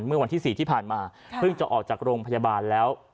เมื่อวันที่๔ที่ผ่านมาเพิ่งจะออกจากโรงพยาบาลแล้ว